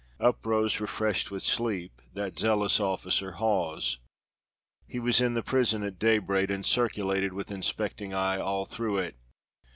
Up rose refreshed with sleep that zealous officer, Hawes. He was in the prison at daybreak, and circulated with inspecting eye all through it.